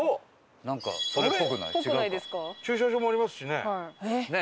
駐車場もありますしね。